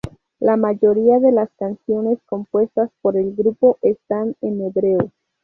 La mayoría de las canciones compuestas por el grupo están en hebreo.